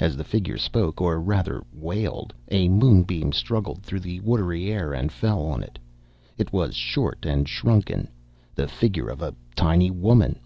As the figure spoke, or rather wailed, a moonbeam struggled through the watery air and fell on it. It was short and shrunken, the figure of a tiny woman.